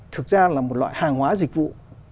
thực ra là một loại hàng hóa dịch vụ